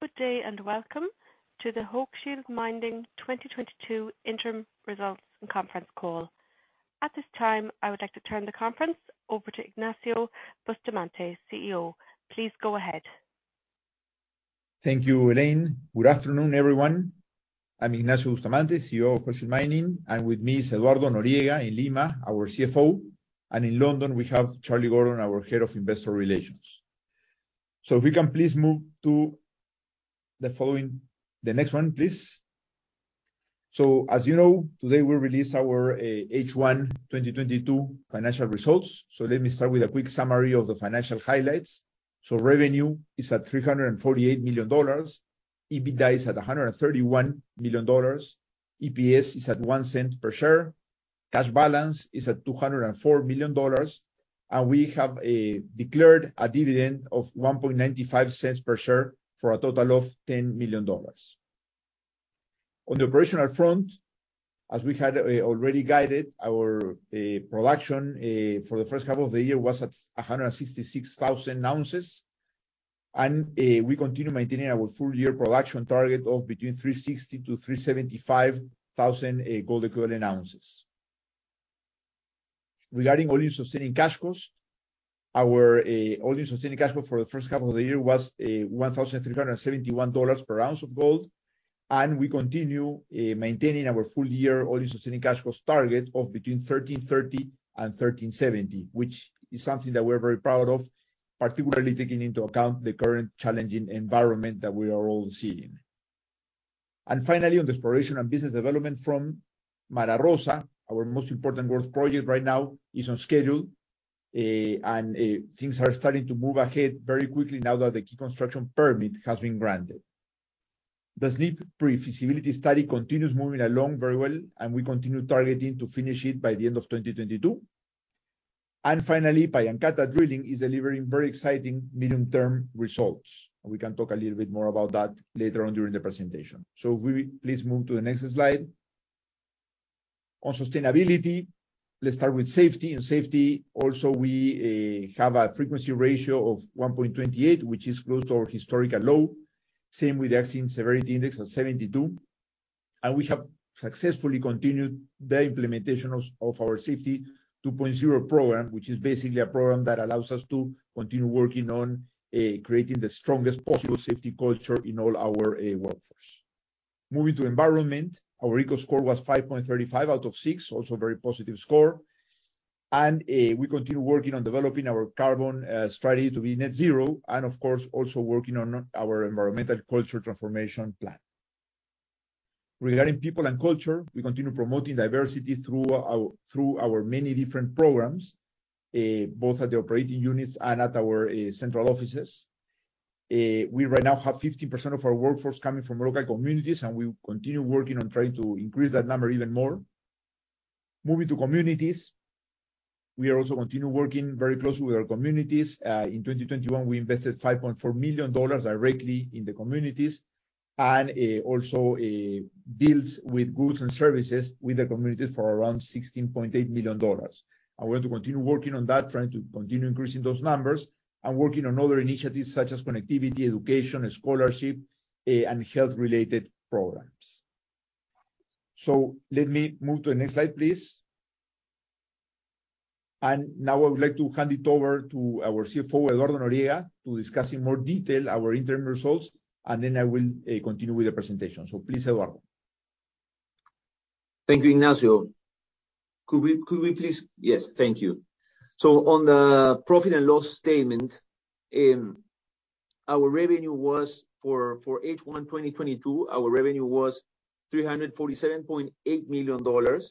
Good day, and welcome to the Hochschild Mining 2022 interim results and conference call. At this time, I would like to turn the conference over to Ignacio Bustamante, CEO. Please go ahead. Thank you, Elaine. Good afternoon, everyone. I'm Ignacio Bustamante, CEO of Hochschild Mining, and with me is Eduardo Noriega in Lima, our CFO. In London, we have Charlie Gordon, our Head of Investor Relations. If we can please move to the next one. As you know, today we release our H1 2022 financial results. Let me start with a quick summary of the financial highlights. Revenue is at $348 million. EBITDA is at $131 million. EPS is at $0.01 per share. Cash balance is at $204 million. We have declared a dividend of $0.0195 per share, for a total of $10 million. On the operational front, as we had already guided our production for the first half of the year was at 166,000 ounces. We continue maintaining our full year production target of between 360,000-375,000 gold equivalent ounces. Regarding all-in sustaining cash costs, our all-in sustaining cash cost for the first half of the year was $1,371 per ounce of gold. We continue maintaining our full year all-in sustaining cash costs target of between $1,330-$1,370, which is something that we're very proud of, particularly taking into account the current challenging environment that we are all seeing. Finally, on the exploration and business development front, Mara Rosa, our most important growth project right now, is on schedule. Things are starting to move ahead very quickly now that the key construction permit has been granted. The Snip pre-feasibility study continues moving along very well, and we continue targeting to finish it by the end of 2022. Finally, Pallancata drilling is delivering very exciting medium-term results, and we can talk a little bit more about that later on during the presentation. If we please move to the next slide. On sustainability, let's start with safety. On safety also, we have a frequency ratio of 1.28, which is close to our historical low. Same with accident severity index at 72. We have successfully continued the implementation of our Safety 2.0 program, which is basically a program that allows us to continue working on creating the strongest possible safety culture in all our workforce. Moving to environment, our ECO Score was 5.35 out of 6. Also a very positive score. We continue working on developing our carbon strategy to be net zero and of course, also working on our Environmental Culture Transformation Plan. Regarding people and culture, we continue promoting diversity through our many different programs, both at the operating units and at our central offices. We right now have 50% of our workforce coming from local communities, and we continue working on trying to increase that number even more. Moving to communities, we also continue working very closely with our communities. In 2021, we invested $5.4 million directly in the communities, and also deals with goods and services with the communities for around $16.8 million. We're going to continue working on that, trying to continue increasing those numbers and working on other initiatives such as connectivity, education, and scholarship, and health-related programs. Let me move to the next slide, please. Now I would like to hand it over to our CFO, Eduardo Noriega, to discuss in more detail our interim results, and then I will continue with the presentation. Please, Eduardo. Thank you, Ignacio. Could we please. Yes, thank you. On the profit and loss statement, our revenue was for H1 2022, $347.8 million.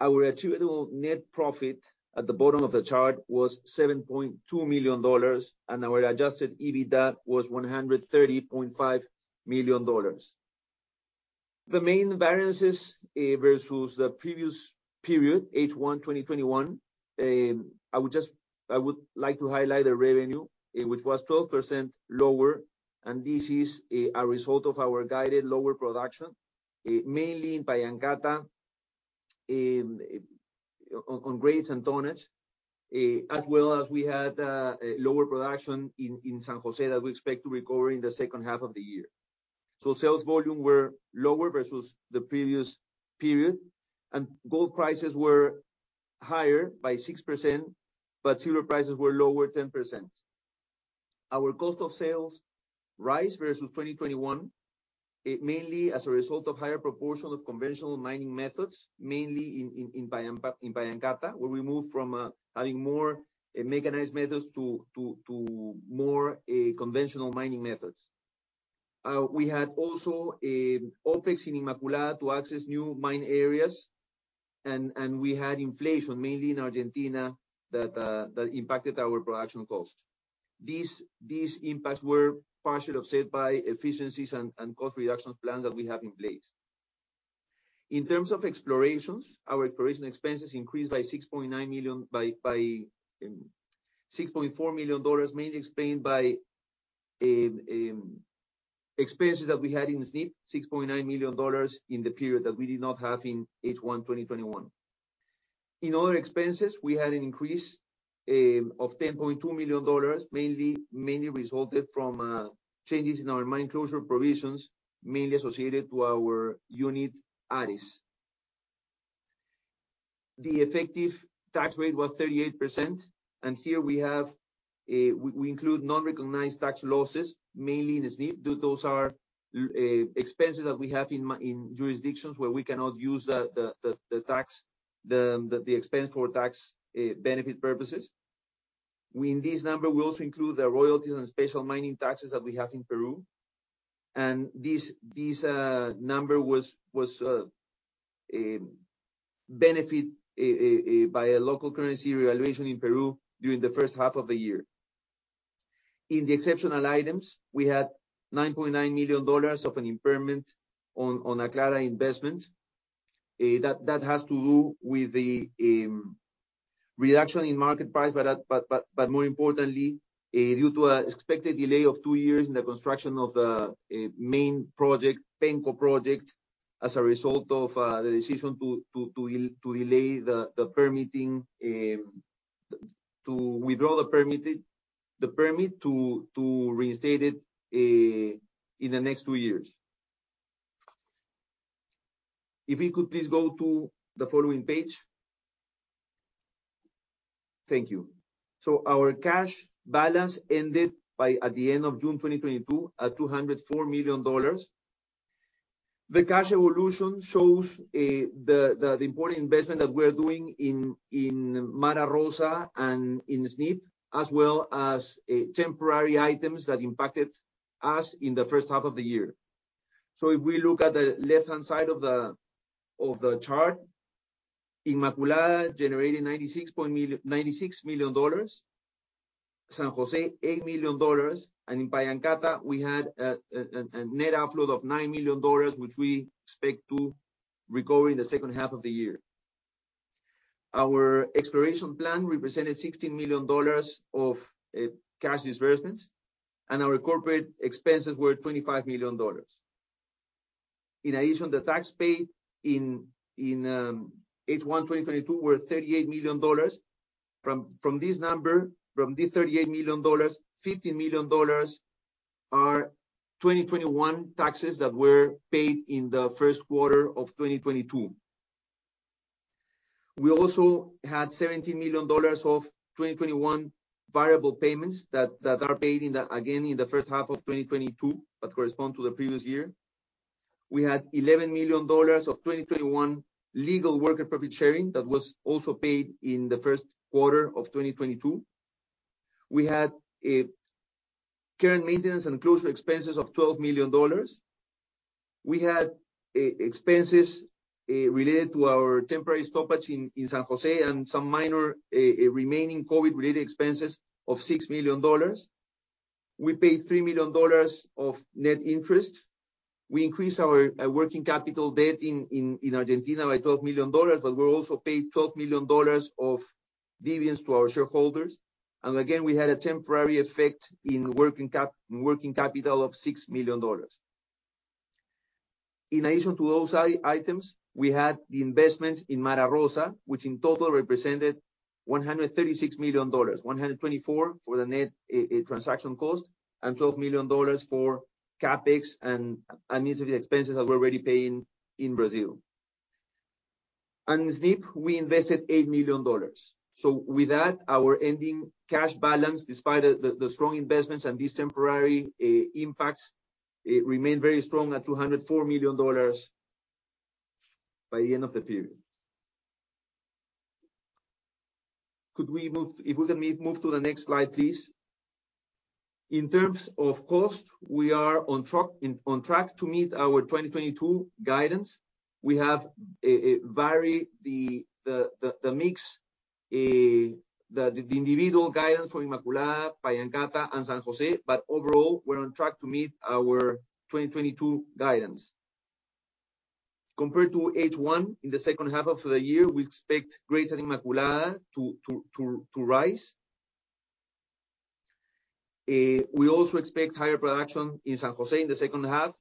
Our attributable net profit at the bottom of the chart was $7.2 million, and our adjusted EBITDA was $130.5 million. The main variances versus the previous period, H1 2021, I would like to highlight the revenue, which was 12% lower, and this is a result of our guided lower production, mainly in Pallancata, on grades and tonnage. As well as we had lower production in San José that we expect to recover in the second half of the year. Sales volume were lower versus the previous period, and gold prices were higher by 6%, but silver prices were lower 10%. Our cost of sales rose versus 2021, mainly as a result of higher proportion of conventional mining methods, mainly in Pallancata, where we moved from having more mechanized methods to more conventional mining methods. We had also OpEx in Inmaculada to access new mine areas, and we had inflation, mainly in Argentina that impacted our production cost. These impacts were partially offset by efficiencies and cost reduction plans that we have in place. In terms of exploration, our exploration expenses increased by $6.9 million, mainly explained by expenses that we had in Snip, $6.9 million in the period that we did not have in H1 2021. In other expenses, we had an increase of $10.2 million, mainly resulted from changes in our mine closure provisions, mainly associated to our unit, Aries. The effective tax rate was 38%, and here we include non-recognized tax losses, mainly in the Snip. Those are expenses that we have in jurisdictions where we cannot use the tax expense for tax benefit purposes. We, in this number, we also include the royalties and special mining taxes that we have in Peru. This number was benefited by a local currency revaluation in Peru during the first half of the year. In the exceptional items, we had $9.9 million of an impairment on an Aclara investment. That has to do with the reduction in market price, but more importantly due to an expected delay of two years in the construction of the main project, Penco project, as a result of the decision to delay the permitting, to withdraw the permit to reinstate it in the next two years. If we could please go to the following page. Thank you. Our cash balance ended at the end of June 2022 at $204 million. The cash evolution shows the important investment that we're doing in Mara Rosa and in Snip, as well as temporary items that impacted us in the first half of the year. If we look at the left-hand side of the chart, Inmaculada generated $96 million, San José $8 million, and in Pallancata, we had a net outflow of $9 million, which we expect to recover in the second half of the year. Our exploration plan represented $16 million of cash disbursements, and our corporate expenses were $25 million. In addition, the tax paid in H1 2022 were $38 million. From this number, from this $38 million, $15 million are 2021 taxes that were paid in the first quarter of 2022. We also had $17 million of 2021 variable payments that are paid in the first half of 2022, again, but correspond to the previous year. We had $11 million of 2021 legal work and profit sharing that was also paid in the first quarter of 2022. We had care and maintenance and closure expenses of $12 million. We had expenses related to our temporary stoppage in San José and some minor remaining COVID-related expenses of $6 million. We paid $3 million of net interest. We increased our working capital debt in Argentina by $12 million, but we also paid $12 million of dividends to our shareholders. Again, we had a temporary effect in working capital of $6 million. In addition to those items, we had the investment in Mara Rosa, which in total represented $136 million. $124 million for the net transaction cost, and $12 million for CapEx and utility expenses that we're already paying in Brazil. On Snip, we invested $8 million. With that, our ending cash balance, despite the strong investments and these temporary impacts, it remained very strong at $204 million by the end of the period. Could we move to the next slide, please. In terms of cost, we are on track to meet our 2022 guidance. We have varied the individual guidance for Inmaculada, Pallancata, and San José, but overall, we're on track to meet our 2022 guidance. Compared to H1, in the second half of the year, we expect grades in Inmaculada to rise. We also expect higher production in San José in the second half.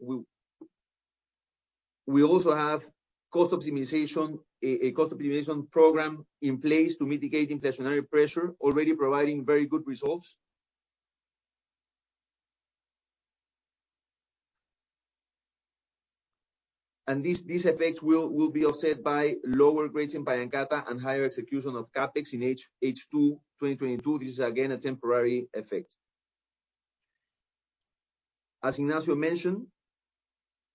We also have a cost optimization program in place to mitigate inflationary pressure, already providing very good results. These effects will be offset by lower grades in Pallancata and higher execution of CapEx in H2 2022. This is again a temporary effect. As Ignacio mentioned,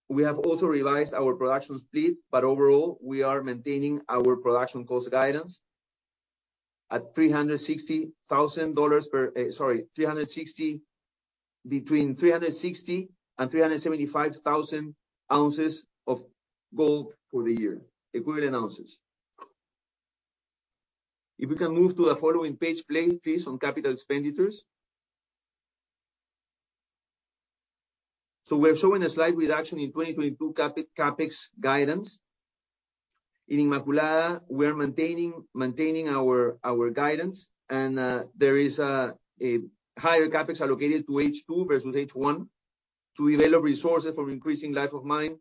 we have also revised our production split, but overall, we are maintaining our production guidance at between 360,000 and 375,000 ounces of gold equivalent for the year. If we can move to the following page, please, on capital expenditures. We're showing a slight reduction in 2022 CapEx guidance. In Inmaculada, we're maintaining our guidance and there is a higher CapEx allocated to H2 versus H1 to develop resources for increasing life of mine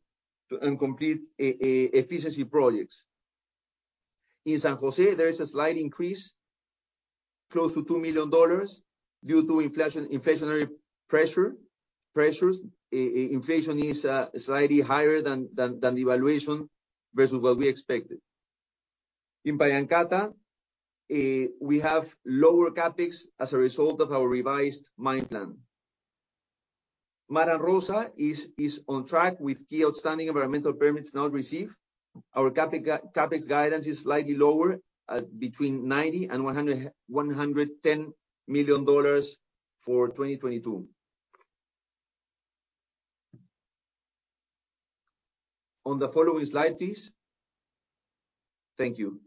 to and complete efficiency projects. In San José, there is a slight increase, close to $2 million due to inflationary pressures. Inflation is slightly higher than the escalation versus what we expected. In Pallancata, we have lower CapEx as a result of our revised mine plan. Mara Rosa is on track with key outstanding environmental permits now received. Our CapEx guidance is slightly lower at between $90 and $110 million for 2022. On the following slide, please. Thank you.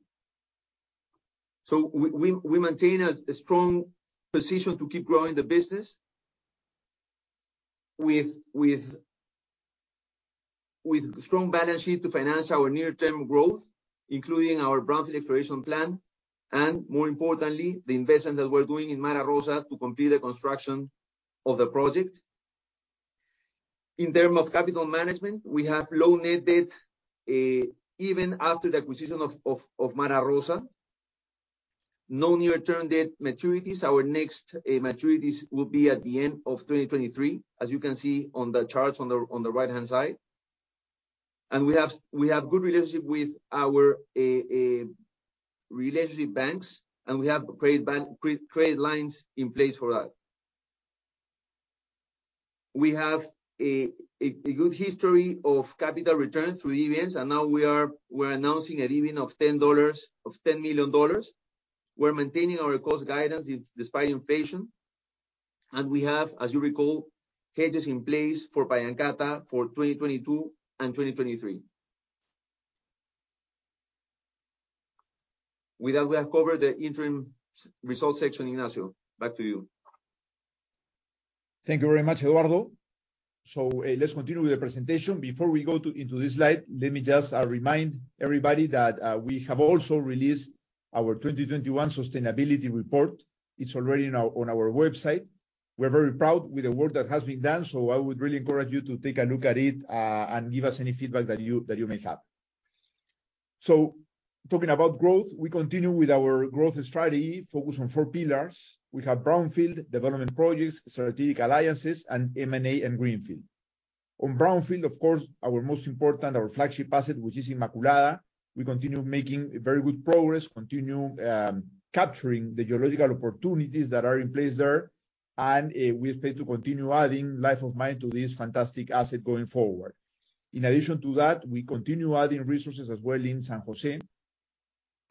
We maintain a strong position to keep growing the business with strong balance sheet to finance our near-term growth, including our brownfield exploration plan and more importantly, the investment that we're doing in Mara Rosa to complete the construction of the project. In terms of capital management, we have low net debt, even after the acquisition of Mara Rosa. No near-term debt maturities. Our next maturities will be at the end of 2023, as you can see on the charts on the right-hand side. We have good relationship with our relationship banks, and we have credit lines in place for that. We have a good history of capital return through dividends, and now we are announcing a dividend of $10 million. We're maintaining our cost guidance despite inflation. We have, as you recall, hedges in place for Pallancata for 2022 and 2023. With that, we have covered the interim results section. Ignacio, back to you. Thank you very much, Eduardo. Let's continue with the presentation. Before we go into this slide, let me just remind everybody that we have also released our 2021 sustainability report. It's already on our website. We're very proud with the work that has been done, so I would really encourage you to take a look at it and give us any feedback that you may have. Talking about growth, we continue with our growth strategy focused on four pillars. We have brownfield development projects, strategic alliances, and M&A and greenfield. On brownfield, of course, our most important, our flagship asset, which is Inmaculada, we continue making very good progress, continue capturing the geological opportunities that are in place there. We expect to continue adding life of mine to this fantastic asset going forward. In addition to that, we continue adding resources as well in San José.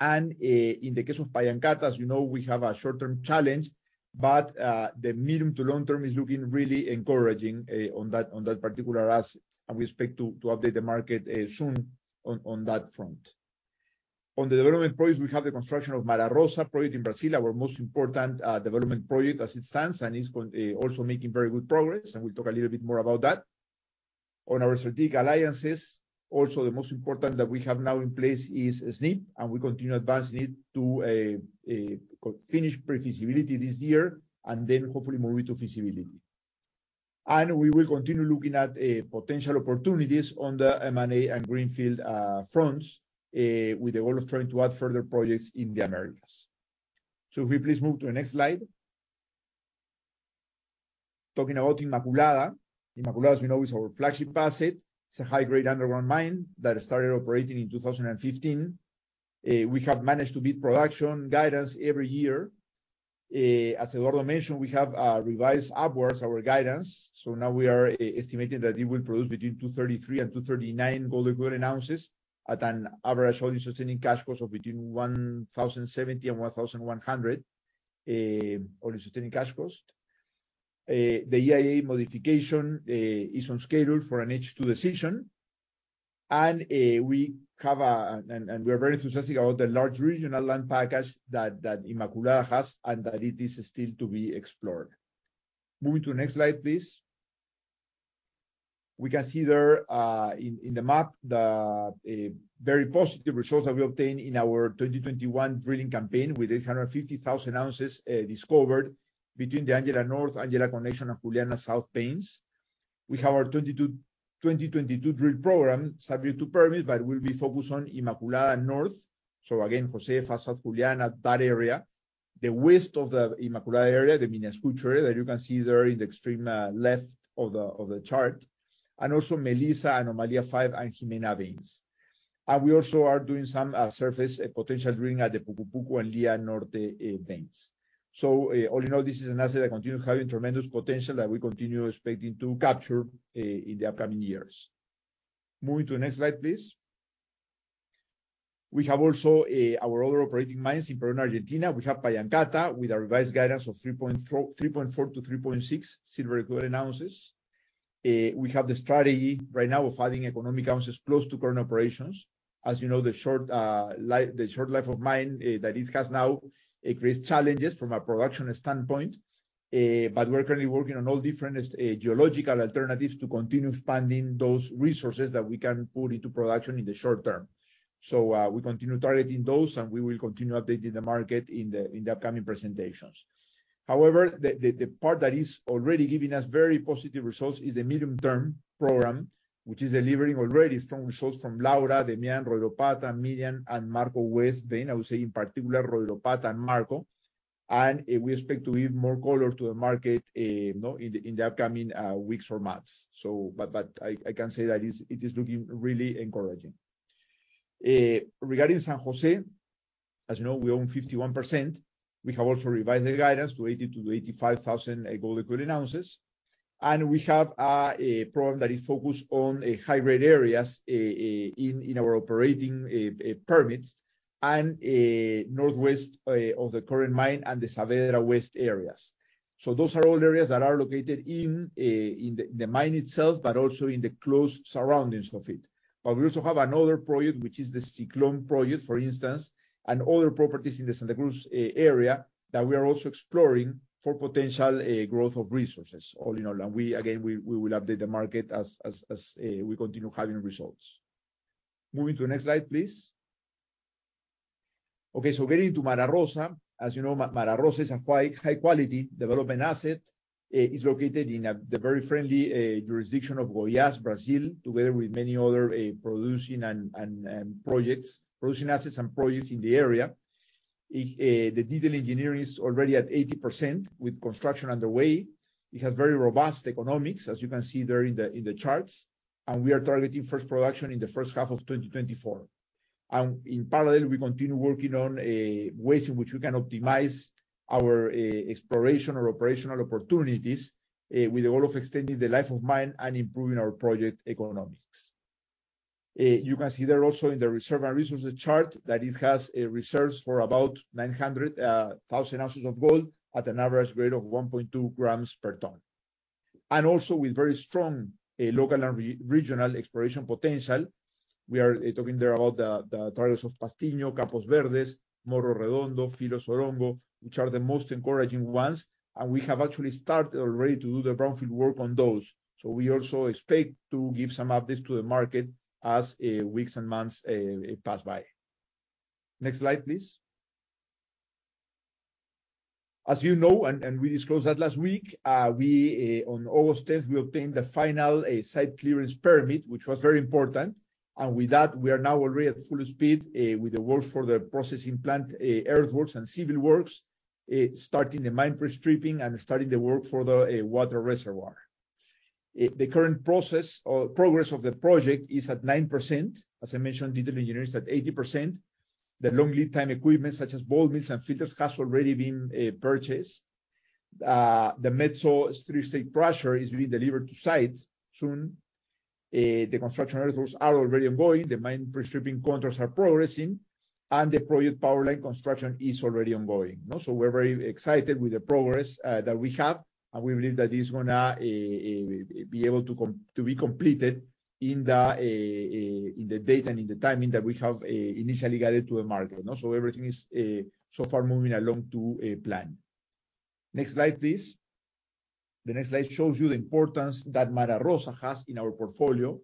In the case of Pallancata, as you know, we have a short-term challenge, but the medium to long term is looking really encouraging on that particular asset, and we expect to update the market soon on that front. On the development projects, we have the construction of Mara Rosa project in Brazil, our most important development project as it stands, and it's also making very good progress, and we'll talk a little bit more about that. On our strategic alliances, also the most important that we have now in place is Snip, and we continue advancing it to a finished pre-feasibility this year and then hopefully move it to feasibility. We will continue looking at potential opportunities on the M&A and greenfield fronts with the goal of trying to add further projects in the Americas. If we please move to the next slide. Talking about Inmaculada. Inmaculada, as we know, is our flagship asset. It's a high-grade underground mine that started operating in 2015. We have managed to beat production guidance every year. As Eduardo mentioned, we have revised upwards our guidance, so now we are estimating that it will produce between 233 and 239 gold equivalent ounces at an average all-in sustaining cost of between $1,070 and $1,100 all-in sustaining cost. The EIA modification is on schedule for an H2 decision. We are very enthusiastic about the large regional land package that Inmaculada has and that it is still to be explored. Moving to the next slide, please. We can see there in the map the very positive results that we obtained in our 2021 drilling campaign with 850,000 ounces discovered between the Angela North, Angela Connection, and Juliana South veins. We have our 2022 drill program subject to permit, but we'll be focused on Inmaculada North. Again, Josefa, South Juliana, that area. The west of the Inmaculada area, the Minascucho, that you can see there in the extreme left of the chart, and also Melissa, Anomalia 5, and Jimena veins. We also are doing some surface potential drilling at the Pucu Pucu and Lía Norte veins. All in all, this is an asset that continues having tremendous potential that we continue expecting to capture in the upcoming years. Moving to the next slide, please. We have also our other operating mines in Peru and Argentina. We have Pallancata with our revised guidance of 3.4-3.6 silver equivalent ounces. We have the strategy right now of adding economic ounces close to current operations. As you know, the short life of mine that it has now creates challenges from a production standpoint. But we're currently working on all different geological alternatives to continue expanding those resources that we can put into production in the short term. We continue targeting those, and we will continue updating the market in the upcoming presentations. However, the part that is already giving us very positive results is the medium-term program, which is delivering already strong results from Laura-Demian, Royropata, Miriam, and Marco West veins. I would say in particular Royropata and Marco. We expect to give more color to the market, you know, in the upcoming weeks or months. I can say that it is looking really encouraging. Regarding San José, as you know, we own 51%. We have also revised the guidance to 80,000-85,000 gold equivalent ounces. We have a program that is focused on high-grade areas in our operating permits and northwest of the current mine and the Saavedra West areas. Those are all areas that are located in the mine itself, but also in the close surroundings of it. We also have another project, which is the Ciclon project, for instance, and other properties in the Santa Cruz area that we are also exploring for potential growth of resources all in all. We again will update the market as we continue having results. Moving to the next slide, please. Okay, getting to Mara Rosa. As you know, Mara Rosa is a quite high quality development asset. It is located in the very friendly jurisdiction of Goiás, Brazil, together with many other producing assets and projects in the area. The detailed engineering is already at 80% with construction underway. It has very robust economics, as you can see there in the charts. We are targeting first production in the first half of 2024. In parallel, we continue working on ways in which we can optimize our exploration or operational opportunities with the goal of extending the life of mine and improving our project economics. You can see there also in the reserve and resources chart that it has reserves of about 900,000 ounces of gold at an average grade of 1.2 grams per tonne. Also with very strong local and regional exploration potential. We are talking there about the targets of Pastinho, Campos Verdes, Morro Redondo, Filo Zorongo, which are the most encouraging ones, and we have actually started already to do the brownfield work on those. We also expect to give some updates to the market as weeks and months pass by. Next slide, please. As you know, we disclosed that last week, on August 8, we obtained the final site clearance permit, which was very important. With that, we are now already at full speed with the work for the processing plant, earthworks and civil works, starting the mine pre-stripping and starting the work for the water reservoir. The current progress of the project is at 9%. As I mentioned, detailed engineering is at 80%. The long lead time equipment such as ball mills and filters has already been purchased. The Metso 3-stage crusher is being delivered to site soon. The construction earthworks are already ongoing. The mine pre-stripping contracts are progressing, and the project power line construction is already ongoing. You know, we're very excited with the progress that we have, and we believe that it's gonna be able to be completed in the date and in the timing that we have initially guided to the market. You know, everything is so far moving along to plan. Next slide please. The next slide shows you the importance that Mara Rosa has in our portfolio.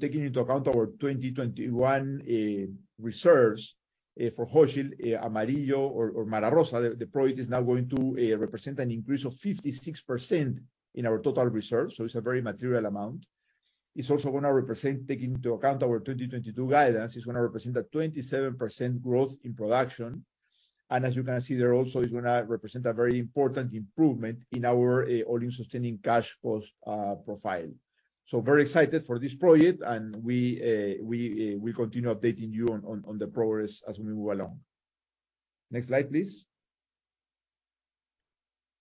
Taking into account our 2021 reserves for Hochschild Amarillo or Mara Rosa, the project is now going to represent an increase of 56% in our total reserves. It's a very material amount. It's also gonna represent, taking into account our 2022 guidance, it's gonna represent a 27% growth in production. As you can see there also it's gonna represent a very important improvement in our all-in sustaining cost profile. Very excited for this project. We continue updating you on the progress as we move along. Next slide, please.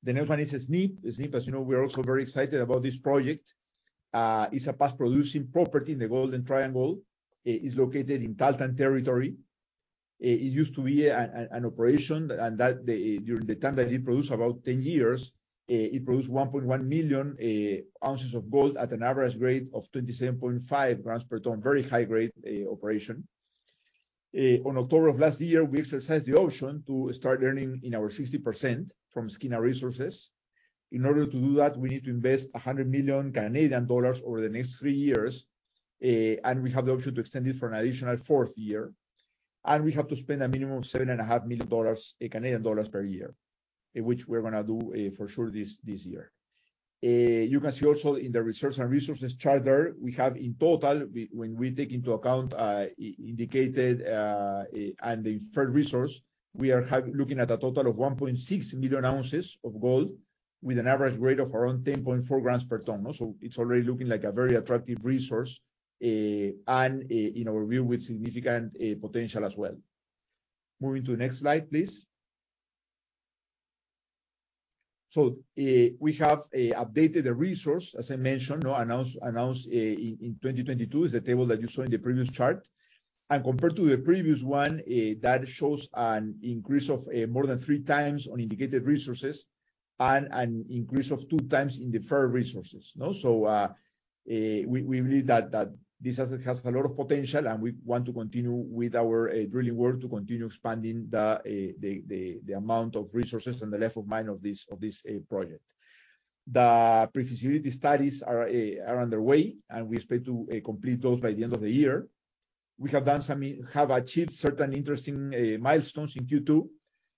The next one is Snip. Snip, as you know, we're also very excited about this project. It's a past producing property in the Golden Triangle. It is located in Tahltan Territory. It used to be an operation, and during the time that it produced about 10 years, it produced 1.1 million ounces of gold at an average grade of 27.5 grams per tonne. Very high grade operation. On October of last year, we exercised the option to start earning in our 60% from Skeena Resources. In order to do that, we need to invest 100 million Canadian dollars over the next three years. We have the option to extend it for an additional fourth year. We have to spend a minimum of 7.5 million dollars per year, which we're gonna do for sure this year. You can see also in the reserves and resources chart there, we have in total, when we take into account indicated and the inferred resource, we are looking at a total of 1.6 million ounces of gold with an average grade of around 10.4 grams per tonne. It's already looking like a very attractive resource. You know, with significant potential as well. Moving to the next slide, please. We have updated the resource, as I mentioned. You know, announced in 2022, is the table that you saw in the previous chart. Compared to the previous one, that shows an increase of more than three times in indicated resources and an increase of two times in inferred resources. You know, we believe that this asset has a lot of potential, and we want to continue with our drilling work to continue expanding the amount of resources and the life-of-mine of this project. The pre-feasibility studies are underway, and we expect to complete those by the end of the year. We have achieved certain interesting milestones in Q2.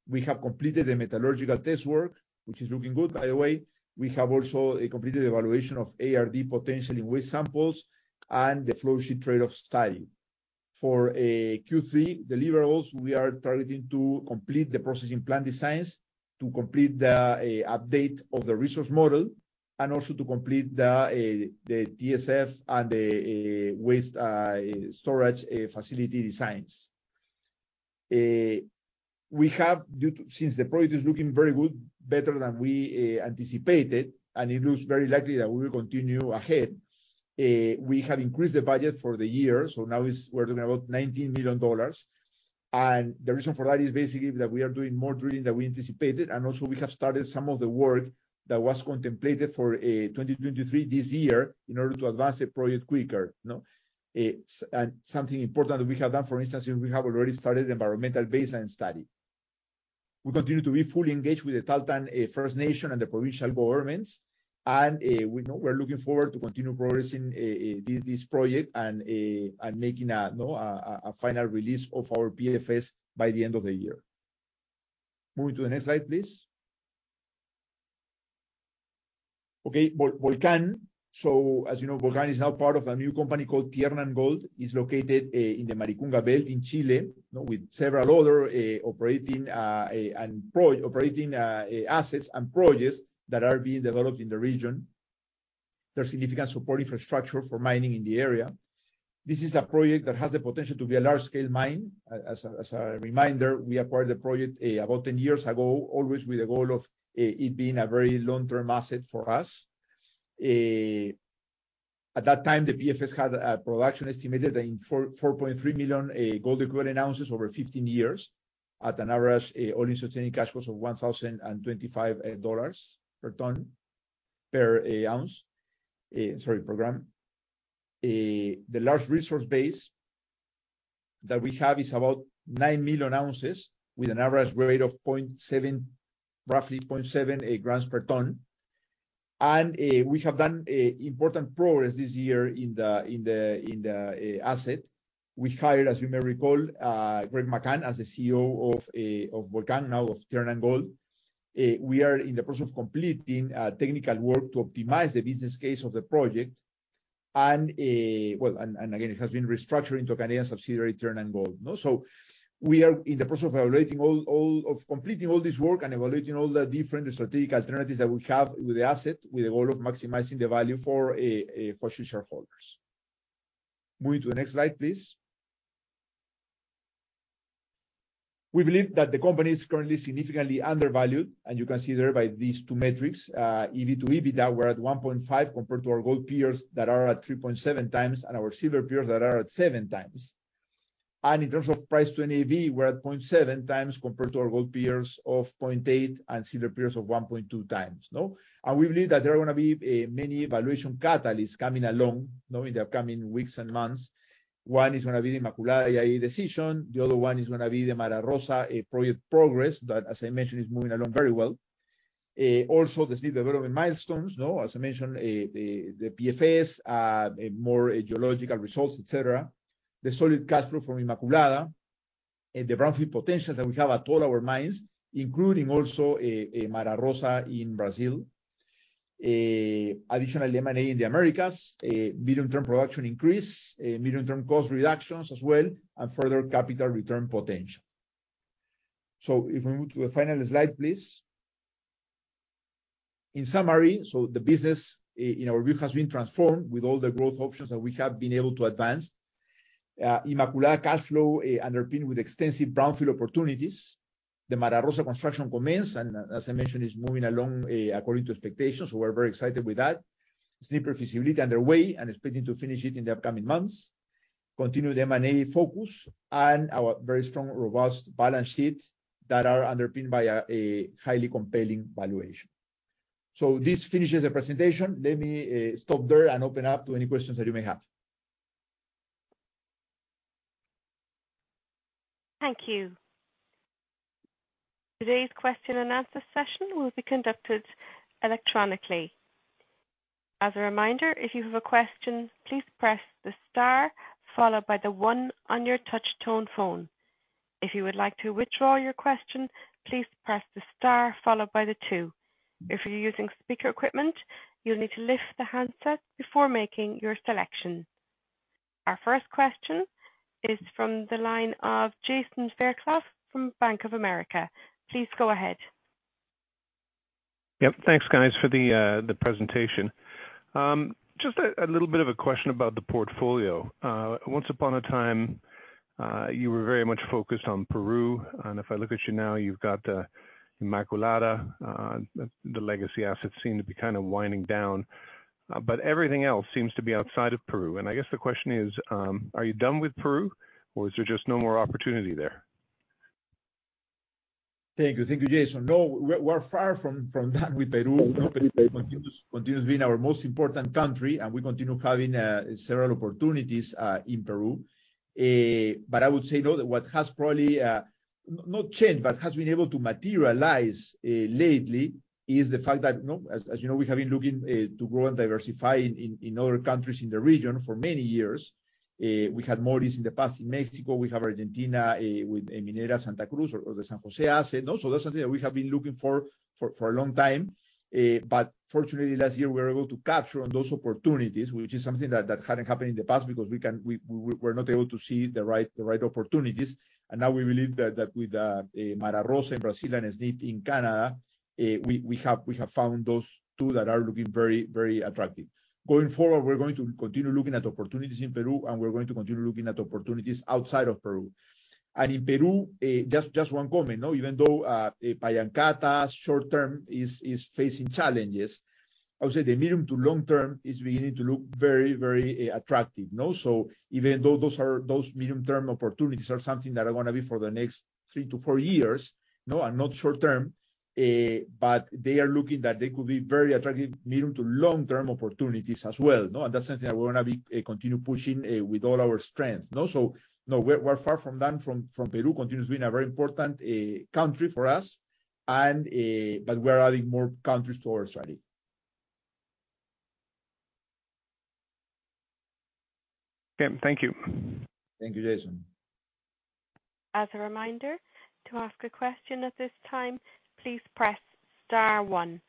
We have completed the metallurgical test work, which is looking good by the way. We have also completed evaluation of ARD potential in waste samples and the flow sheet trade-off study. For Q3 deliverables, we are targeting to complete the processing plant designs, to complete the update of the resource model, and also to complete the TSF and the waste storage facility designs. Since the project is looking very good, better than we anticipated, and it looks very likely that we will continue ahead, we have increased the budget for the year, so now we're talking about $19 million. The reason for that is basically that we are doing more drilling than we anticipated, and also we have started some of the work that was contemplated for 2023 this year in order to advance the project quicker, you know? Something important that we have done, for instance, is we have already started the environmental baseline study. We continue to be fully engaged with the Tahltan First Nation and the provincial governments. We know we're looking forward to continue progressing this project and making a, you know, a final release of our PFS by the end of the year. Moving to the next slide, please. Okay. Volcan. So as you know, Volcan is now part of a new company called Tiernan Gold. It's located in the Maricunga Belt in Chile with several other operating assets and projects that are being developed in the region. There's significant support infrastructure for mining in the area. This is a project that has the potential to be a large-scale mine. As a reminder, we acquired the project about 10 years ago, always with the goal of it being a very long-term asset for us. At that time, the PFS had a production estimate of 4.3 million gold equivalent ounces over 15 years at an average all-in sustaining cost of $1,025 per ounce. The large resource base that we have is about 9 million ounces with an average grade of 0.7, roughly 0.7 grams per ton. We have done important progress this year in the asset. We hired, as you may recall, Greg McCunn as the CEO of Volcan, now of Tiernan Gold. We are in the process of completing technical work to optimize the business case of the project. Again, it has been restructured into a Canadian subsidiary, Tiernan Gold. We are in the process of completing all this work and evaluating all the different strategic alternatives that we have with the asset, with the goal of maximizing the value for future shareholders. Moving to the next slide, please. We believe that the company is currently significantly undervalued, and you can see there by these two metrics, EV to EBITDA, we're at 1.5 compared to our gold peers that are at 3.7x and our silver peers that are at 7x. In terms of price to NAV, we're at 0.7x compared to our gold peers of 0.8 and silver peers of 1.2x, you know? We believe that there are gonna be many valuation catalysts coming along, you know, in the upcoming weeks and months. One is gonna be the Inmaculada EIA decision. The other one is gonna be the Mara Rosa project progress that, as I mentioned, is moving along very well. Also the Snip development milestones, you know, as I mentioned, the PFS, more geological results, et cetera. The solid cash flow from Inmaculada, and the brownfield potential that we have at all our mines, including also, Mara Rosa in Brazil. Additional M&A in the Americas. Medium-term production increase, medium-term cost reductions as well, and further capital return potential. If we move to the final slide, please. In summary, the business in our view has been transformed with all the growth options that we have been able to advance. Inmaculada cash flow underpinned with extensive brownfield opportunities. The Mara Rosa construction commence, and as I mentioned, is moving along, according to expectations. We're very excited with that. Snip pre-feasibility underway and expecting to finish it in the upcoming months. Continued M&A focus, and our very strong, robust balance sheet that are underpinned by a highly compelling valuation. This finishes the presentation. Let me stop there and open up to any questions that you may have. Thank you. Today's question and answer session will be conducted electronically. As a reminder, if you have a question, please press the star followed by the one on your touch tone phone. If you would like to withdraw your question, please press the star followed by the two. If you're using speaker equipment, you'll need to lift the handset before making your selection. Our first question is from the line of Jason Fairclough from Bank of America. Please go ahead. Yep. Thanks, guys, for the presentation. Just a little bit of a question about the portfolio. Once upon a time, you were very much focused on Peru, and if I look at you now, you've got Inmaculada. The legacy assets seem to be kind of winding down, but everything else seems to be outside of Peru. I guess the question is, are you done with Peru, or is there just no more opportunity there? Thank you. Thank you, Jason. No, we're far from done with Peru. You know, Peru continues being our most important country, and we continue having several opportunities in Peru. I would say that what has probably not changed but has been able to materialize lately is the fact that, you know, as you know, we have been looking to grow and diversify in other countries in the region for many years. We had more of this in the past in Mexico, we have Argentina with Minera Santa Cruz or the San José asset. That's something that we have been looking for a long time. Fortunately last year we were able to capitalize on those opportunities, which is something that hadn't happened in the past because we weren't able to see the right opportunities. Now we believe that with Mara Rosa in Brazil and Snip in Canada, we have found those two that are looking very, very attractive. Going forward, we're going to continue looking at opportunities in Peru, and we're going to continue looking at opportunities outside of Peru. In Peru, just one comment, you know, even though Pallancata short term is facing challenges, I would say the medium- to long-term is beginning to look very, very attractive, you know? Even though those medium-term opportunities are something that are gonna be for the next three to four years, you know, are not short term, but they are looking like they could be very attractive medium- to long-term opportunities as well, you know. That's something that we're gonna continue pushing with all our strength. We're far from done. Peru continues being a very important country for us, but we're adding more countries to our strategy. Okay. Thank you. Thank you, Jason. As a reminder, to ask a question at this time, please press star one.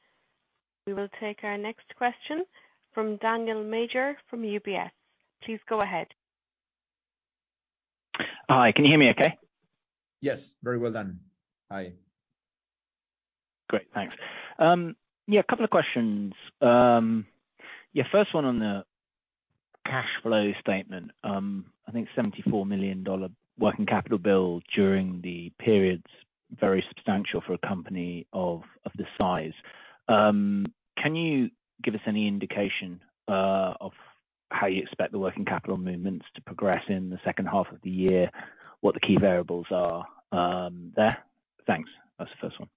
We will take our next question from Daniel Major from UBS. Please go ahead. Hi, can you hear me okay? Yes, very well, Dan. Hi. Great, thanks. A couple of questions. First one on the cash flow statement. I think $74 million working capital build during the period is very substantial for a company of this size. Can you give us any indication of how you expect the working capital movements to progress in the second half of the year, what the key variables are, there? Thanks. That's the first one.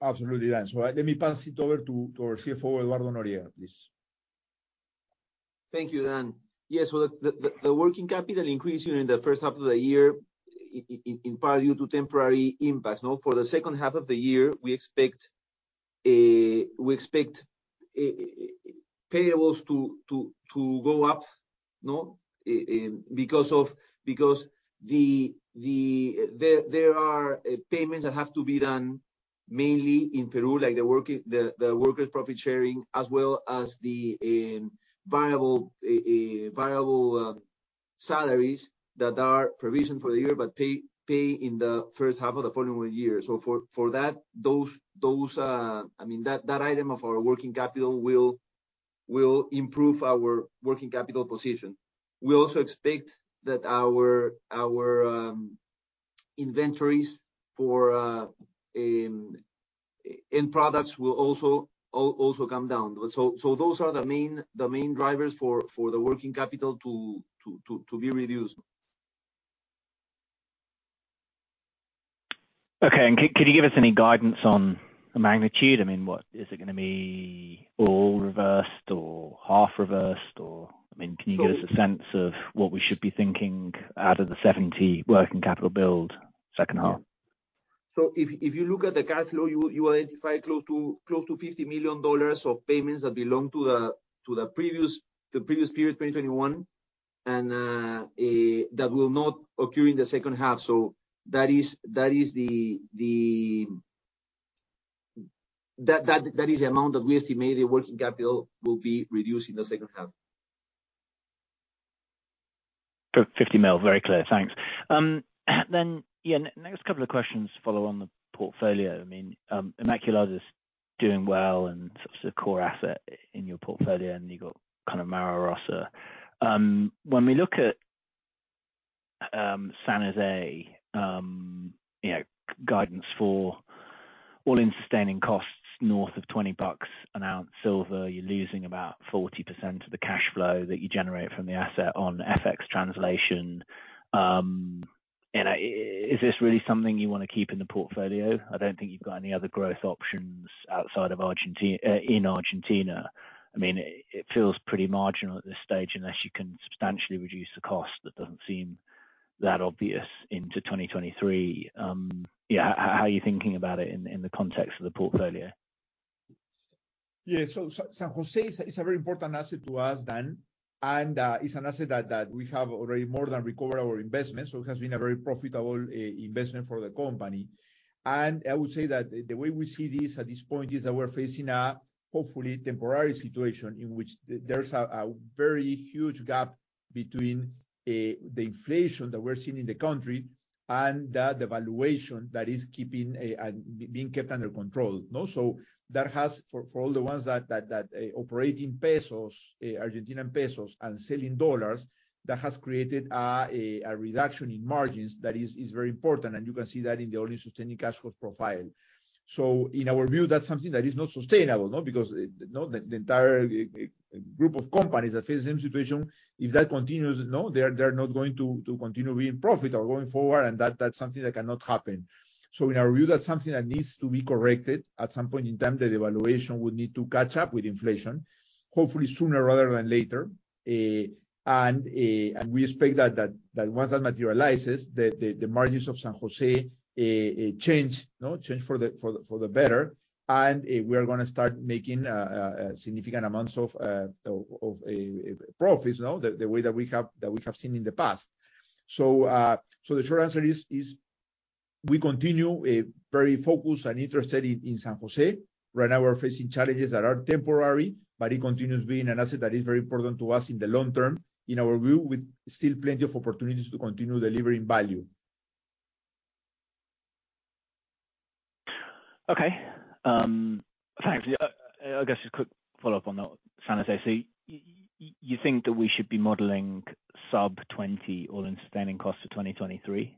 Absolutely, Daniel. Let me pass it over to our CFO, Eduardo Noriega, please. Thank you, Dan. Yes, well, the working capital increase during the first half of the year in part due to temporary impacts, you know. For the second half of the year, we expect payables to go up, you know, because there are payments that have to be done mainly in Peru, like the workers' profit sharing, as well as the variable salaries that are provisioned for the year but pay in the first half of the following year. For that, I mean, that item of our working capital will improve our working capital position. We also expect that our inventories for end products will also come down. Those are the main drivers for the working capital to be reduced. Okay. Can you give us any guidance on the magnitude? I mean, what is it gonna be all reversed or half reversed? I mean, can you give us a sense of what we should be thinking out of the $70 working capital build second half? If you look at the cash flow, you identify close to $50 million of payments that belong to the previous period, 2021, and that will not occur in the second half. That is the amount that we estimate the working capital will be reduced in the second half. $50 million, very clear. Thanks. Next couple of questions follow on the portfolio. I mean, Inmaculada is doing well and sort of the core asset in your portfolio, and you've got kind of Mara Rosa. When we look at San José, you know, guidance for all-in sustaining costs north of $20 an ounce silver, you're losing about 40% of the cash flow that you generate from the asset on FX translation. You know, is this really something you wanna keep in the portfolio? I don't think you've got any other growth options outside of Argentina. I mean, it feels pretty marginal at this stage unless you can substantially reduce the cost. That doesn't seem that obvious into 2023. How are you thinking about it in the context of the portfolio? Yeah. San José is a very important asset to us, Dan, and is an asset that we have already more than recovered our investment, so it has been a very profitable investment for the company. I would say that the way we see this at this point is that we're facing a hopefully temporary situation in which there's a very huge gap between the inflation that we're seeing in the country and that devaluation that is being kept under control. You know, that has, for all the ones that operate in Argentine pesos and selling dollars, created a reduction in margins that is very important, and you can see that in the all-in sustaining cost profile. In our view, that's something that is not sustainable, you know, because, you know, the entire group of companies that face the same situation, if that continues, you know, they're not going to continue being profitable going forward and that's something that cannot happen. In our view, that's something that needs to be corrected at some point in time. The devaluation will need to catch up with inflation, hopefully sooner rather than later. We expect that once that materializes, the margins of San José change for the better. We are gonna start making significant amounts of profits, you know, the way that we have seen in the past. The short answer is we continue very focused and interested in San José. Right now we're facing challenges that are temporary, but it continues being an asset that is very important to us in the long term, in our view, with still plenty of opportunities to continue delivering value. Thanks. Yeah. I guess just a quick follow-up on that, San José. You think that we should be modeling sub-20 all-in sustaining cost to 2023?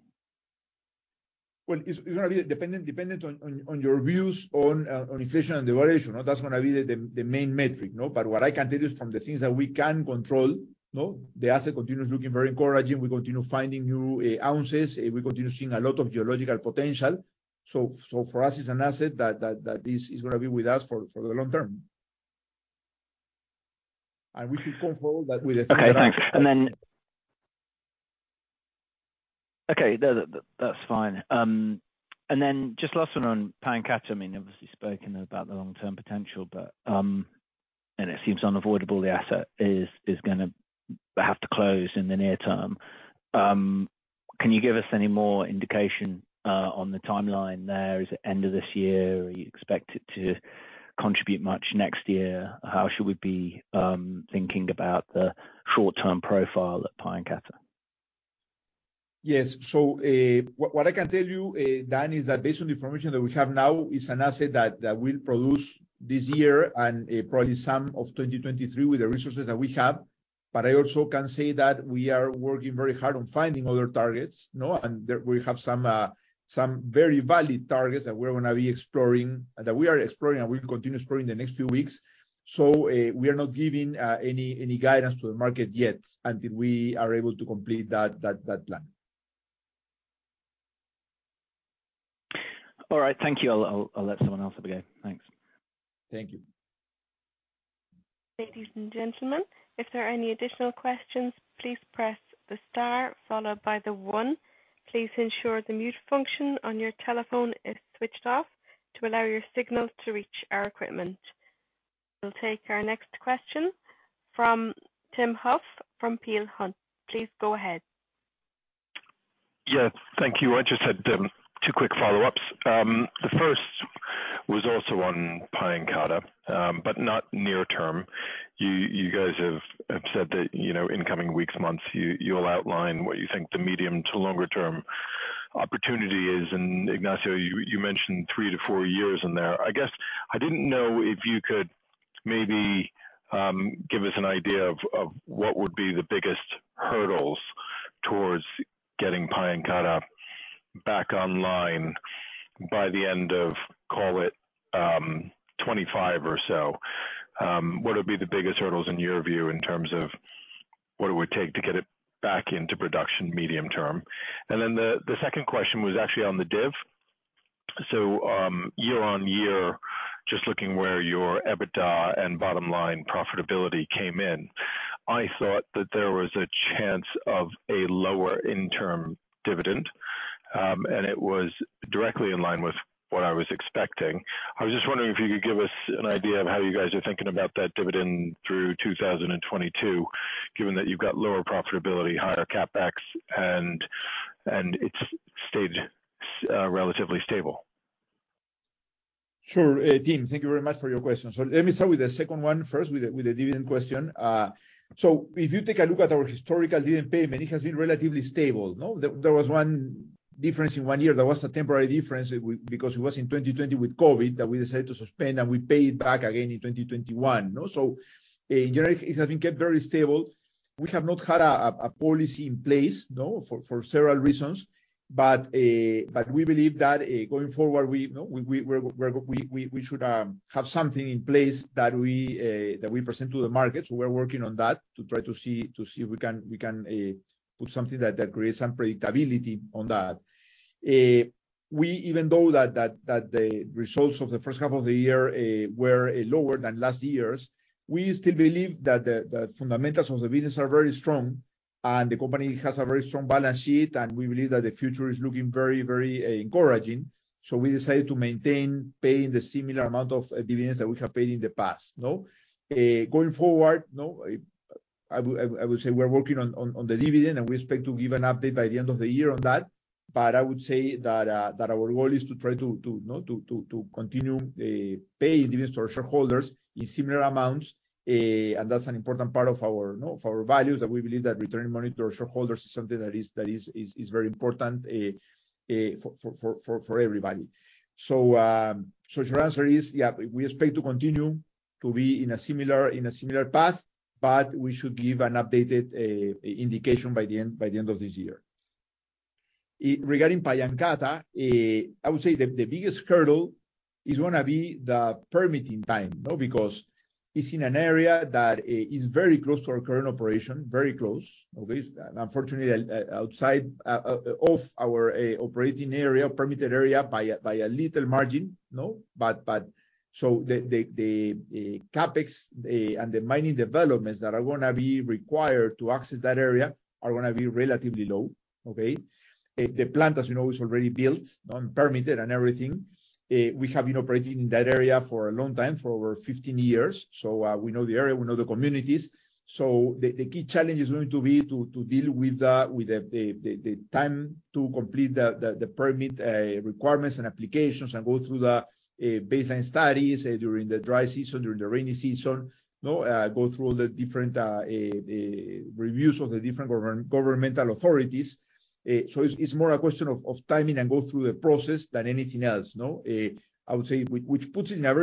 Well, it's gonna be dependent on your views on inflation and devaluation. That's gonna be the main metric, no? What I can tell you is from the things that we can control, no, the asset continues looking very encouraging. We continue finding new ounces. We continue seeing a lot of geological potential. So for us it's an asset that is gonna be with us for the long term. We should confirm that with Okay, thanks. That's fine. Just last one on Pallancata. I mean, obviously spoken about the long-term potential, but it seems unavoidable the asset is gonna have to close in the near term. Can you give us any more indication on the timeline there? Is it end of this year? You expect it to contribute much next year? How should we be thinking about the short-term profile at Pallancata? Yes. What I can tell you, Dan, is that based on information that we have now, it's an asset that will produce this year and probably some of 2023 with the resources that we have. I also can say that we are working very hard on finding other targets. No? There we have some very valid targets that we're gonna be exploring, that we are exploring, and we will continue exploring the next few weeks. We are not giving any guidance to the market yet until we are able to complete that plan. All right. Thank you. I'll let someone else have a go. Thanks. Thank you. Ladies and gentlemen, if there are any additional questions, please press the star followed by the one. Please ensure the mute function on your telephone is switched off to allow your signal to reach our equipment. We'll take our next question from Tim Huff from Peel Hunt. Please go ahead. Yeah, thank you. I just had two quick follow-ups. The first was also on Pallancata, but not near term. You guys have said that, you know, in coming weeks, months, you'll outline what you think the medium to longer term opportunity is. Ignacio, you mentioned three to four years in there. I guess I didn't know if you could maybe give us an idea of what would be the biggest hurdles towards getting Pallancata back online by the end of, call it, 2025 or so. What would be the biggest hurdles in your view in terms of what it would take to get it back into production medium term? The second question was actually on the div. Year-over-year, just looking where your EBITDA and bottom line profitability came in, I thought that there was a chance of a lower interim dividend, and it was directly in line with what I was expecting. I was just wondering if you could give us an idea of how you guys are thinking about that dividend through 2022, given that you've got lower profitability, higher CapEx, and it's stayed relatively stable. Sure. Tim, thank you very much for your question. Let me start with the second one first, with the dividend question. If you take a look at our historical dividend payment, it has been relatively stable. There was one difference in one year. There was a temporary difference because it was in 2020 with COVID, that we decided to suspend, and we paid back again in 2021. Generally it has been kept very stable. We have not had a policy in place. For several reasons. But we believe that going forward, we should have something in place that we present to the market. We're working on that to try to see if we can put something that creates some predictability on that. Even though the results of the first half of the year were lower than last year's, we still believe that the fundamentals of the business are very strong, and the company has a very strong balance sheet, and we believe that the future is looking very encouraging. We decided to maintain paying a similar amount of dividends that we have paid in the past. No? Going forward, I would say we're working on the dividend, and we expect to give an update by the end of the year on that. I would say that our goal is to try to continue paying dividends to our shareholders in similar amounts. That's an important part of our values, that we believe that returning money to our shareholders is something that is very important for everybody. The answer is, yeah, we expect to continue to be in a similar path, but we should give an updated indication by the end of this year. Regarding Pallancata, I would say the biggest hurdle is gonna be the permitting time, no, because it's in an area that is very close to our current operation, very close. Okay. Unfortunately, outside of our operating area, permitted area by a little margin. No? The CapEx and the mining developments that are gonna be required to access that area are gonna be relatively low. Okay? The plant, as you know, is already built, permitted and everything. We have been operating in that area for a long time, for over 15 years. We know the area, we know the communities. The key challenge is going to be to deal with the time to complete the permit requirements and applications and go through the baseline studies during the dry season, during the rainy season. No? Go through all the different reviews of the different governmental authorities. It's more a question of timing and go through the process than anything else. No? I would say, which puts it in a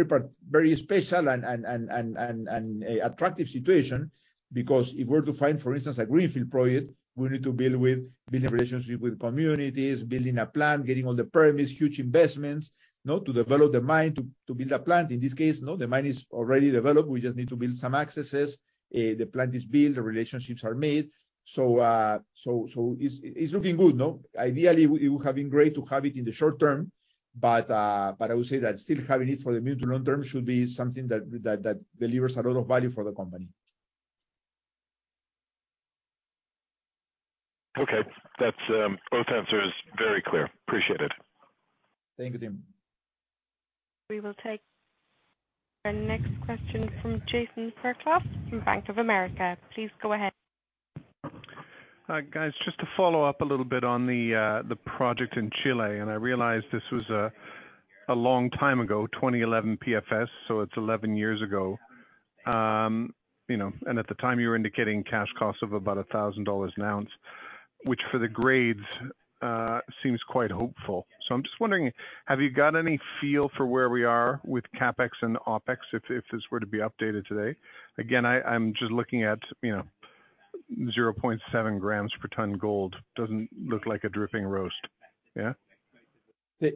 very special and attractive situation. Because if we're to find, for instance, a greenfield project, we need to build with building relationships with communities, building a plant, getting all the permits, huge investments. No? To develop the mine to build a plant. In this case, no, the mine is already developed. We just need to build some accesses. The plant is built, the relationships are made. It's looking good. No? Ideally, it would have been great to have it in the short term, but I would say that still having it for the mid to long term should be something that delivers a lot of value for the company. Okay. That's both answers very clear. Appreciate it. Thank you, Tim. We will take our next question from Jason Fairclough from Bank of America. Please go ahead. Hi, guys. Just to follow up a little bit on the project in Chile, and I realize this was a long time ago, 2011 PFS, so it's 11 years ago. You know, and at the time, you were indicating cash costs of about $1,000 an ounce, which for the grades, seems quite hopeful. I'm just wondering, have you got any feel for where we are with CapEx and OpEx if this were to be updated today? Again, I'm just looking at, you know, 0.7 grams per ton gold. Doesn't look like a dripping roast. Yeah?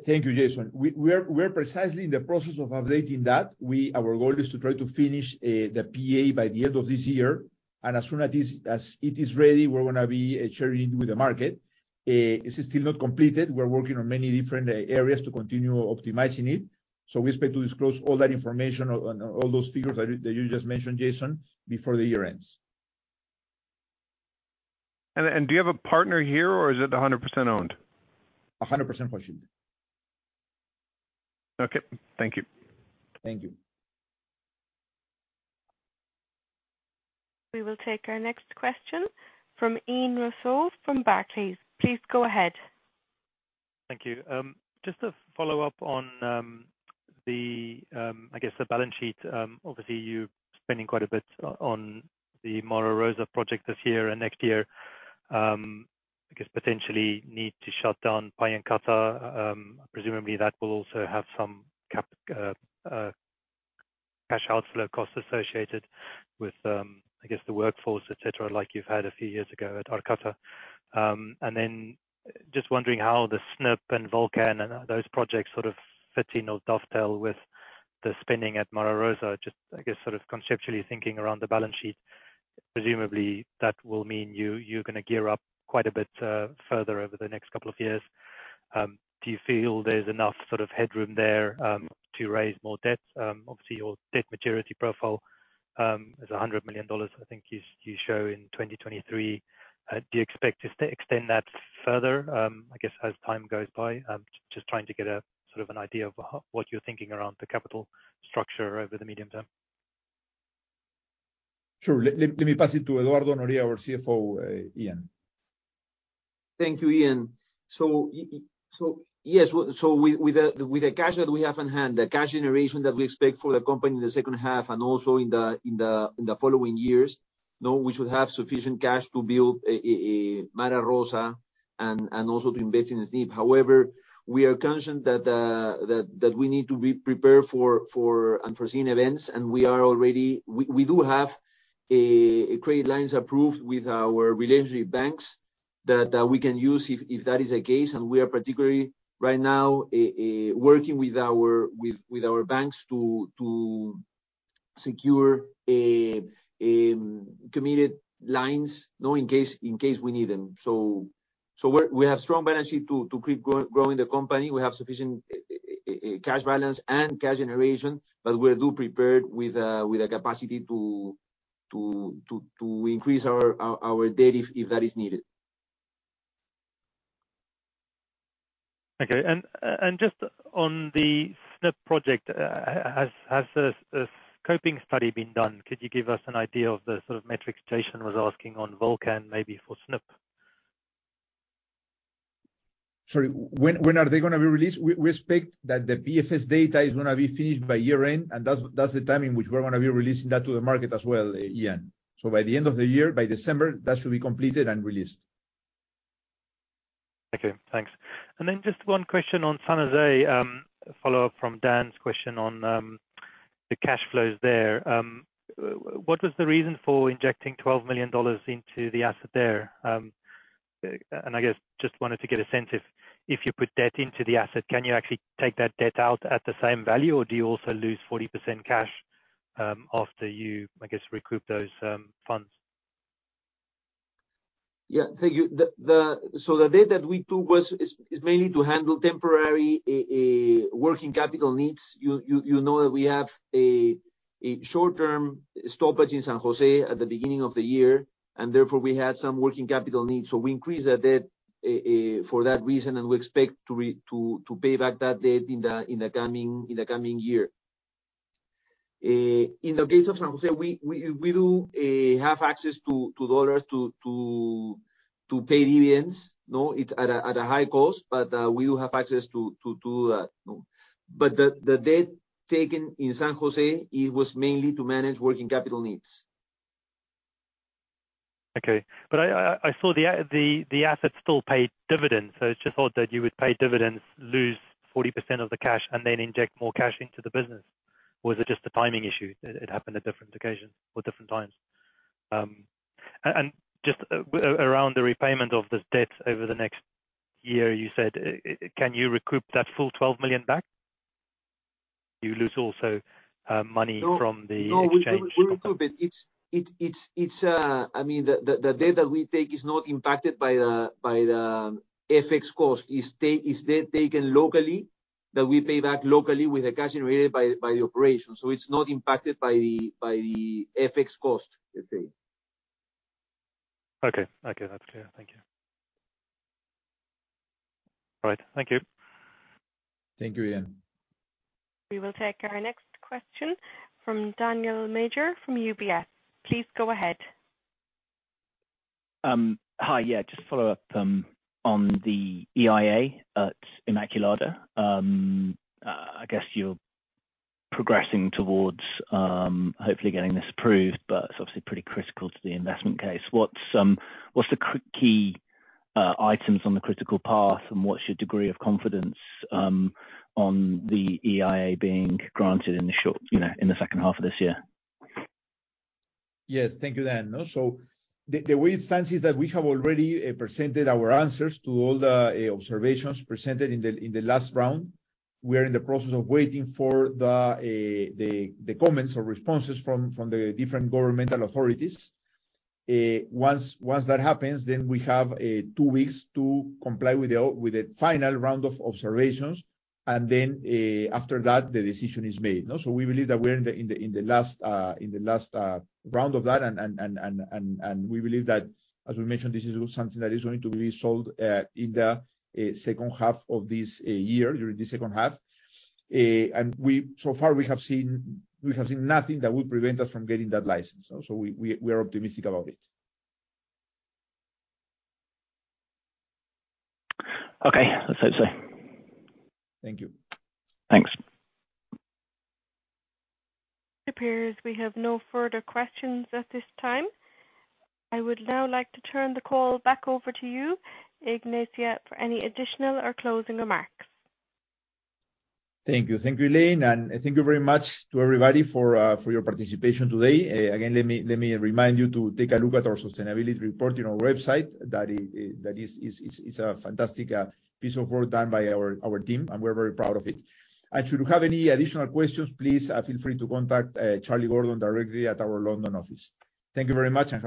Thank you, Jason. We're precisely in the process of updating that. Our goal is to try to finish the PEA by the end of this year, and as soon as this, as it is ready, we're gonna be sharing it with the market. This is still not completed. We're working on many different areas to continue optimizing it. We expect to disclose all that information on all those figures that you just mentioned, Jason, before the year ends. Do you have a partner here, or is it 100% owned? 100% owned. Okay. Thank you. Thank you. We will take our next question from Ian Rossouw from Barclays. Please go ahead. Thank you. Just to follow up on the balance sheet. Obviously, you're spending quite a bit on the Mara Rosa project this year and next year. I guess potentially need to shut down Pallancata. Presumably, that will also have some cash outflow costs associated with the workforce, et cetera, like you've had a few years ago at Arcata. Just wondering how the Snip and Volcan and those projects sort of fit in or dovetail with the spending at Mara Rosa. Just sort of conceptually thinking around the balance sheet. Presumably, that will mean you're gonna gear up quite a bit further over the next couple of years. Do you feel there's enough headroom there to raise more debt? Obviously, your debt maturity profile is $100 million, I think you show in 2023. Do you expect to extend that further, I guess, as time goes by? Just trying to get a sort of an idea of what you're thinking around the capital structure over the medium term. Sure. Let me pass it to Eduardo Noriega, our CFO, Ian. Thank you, Ian. Yes. With the cash that we have on hand, the cash generation that we expect for the company in the second half and also in the following years, you know, we should have sufficient cash to build Mara Rosa and also to invest in Snip. However, we are conscious that we need to be prepared for unforeseen events, and we are already. We do have credit lines approved with our relationship banks that we can use if that is the case. We are particularly right now working with our banks to secure a committed lines, you know, in case we need them. We have strong balance sheet to keep growing the company. We have sufficient cash balance and cash generation, but we're prepared with a capacity to increase our debt if that is needed. Okay. Just on the Snip project, has a scoping study been done? Could you give us an idea of the sort of metrics Jason was asking on Volcan maybe for Snip? Sorry, when are they gonna be released? We expect that the PFS data is gonna be finished by year-end, and that's the time in which we're gonna be releasing that to the market as well, Ian. By the end of the year, by December, that should be completed and released. Okay, thanks. Then just one question on San José, a follow-up from Dan's question on the cash flows there. What was the reason for injecting $12 million into the asset there? I guess just wanted to get a sense if you put debt into the asset, can you actually take that debt out at the same value, or do you also lose 40% cash, after you, I guess, recoup those funds? Yeah. Thank you. The debt that we took is mainly to handle temporary working capital needs. You know that we have a short-term stoppage in San José at the beginning of the year, and therefore we had some working capital needs. We increased the debt for that reason, and we expect to pay back that debt in the coming year. In the case of San José, we do have access to dollars to pay dividends. No, it's at a high cost, but we will have access to that. The debt taken in San José was mainly to manage working capital needs. Okay. I saw the assets still paid dividends, so I just thought that you would pay dividends, lose 40% of the cash, and then inject more cash into the business. Was it just a timing issue? It happened at different occasions or different times. And just around the repayment of this debt over the next year, you said, can you recoup that full $12 million back? You lose also money. No From the exchange. No, we recoup it. It's I mean, the debt that we take is not impacted by the FX cost. It's debt taken locally that we pay back locally with the cash generated by the operation. It's not impacted by the FX cost, let's say. Okay. Okay. That's clear. Thank you. All right. Thank you. Thank you, Ian. We will take our next question from Daniel Major, from UBS. Please go ahead. Hi. Yeah, just follow up on the EIA at Inmaculada. I guess you're progressing towards hopefully getting this approved, but it's obviously pretty critical to the investment case. What's the key items on the critical path, and what's your degree of confidence on the EIA being granted in the short, you know, in the second half of this year? Yes. Thank you, Dan. The way it stands is that we have already presented our answers to all the observations presented in the last round. We are in the process of waiting for the comments or responses from the different governmental authorities. Once that happens, we have two weeks to comply with the final round of observations. After that, the decision is made. We believe that we're in the last round of that. We believe that, as we mentioned, this is something that is going to be resolved in the second half of this year, during the second half. So far, we have seen nothing that will prevent us from getting that license. We are optimistic about it. Okay. That's it. Thank you. Thanks. It appears we have no further questions at this time. I would now like to turn the call back over to you, Ignacio, for any additional or closing remarks. Thank you. Thank you, Elaine. Thank you very much to everybody for your participation today. Again, let me remind you to take a look at our sustainability report in our website. That is a fantastic piece of work done by our team, and we're very proud of it. Should you have any additional questions, please feel free to contact Charlie Gordon directly at our London office. Thank you very much, and have a great day.